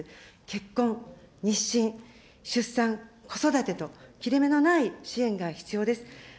結婚、妊娠、出産、子育てと、切れ目のない支援が必要です。